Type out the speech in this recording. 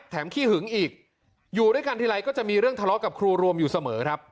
ขี้หึงอีกอยู่ด้วยกันทีไรก็จะมีเรื่องทะเลาะกับครูรวมอยู่เสมอครับ